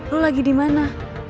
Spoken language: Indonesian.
lo lagi dimana